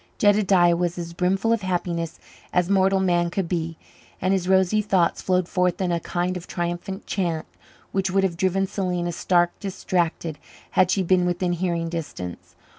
Jedediah was as brimful of happiness as mortal man could be, and his rosy thoughts flowed forth in a kind of triumphant chant which would have driven Selena stark distracted had she been within hearing distance.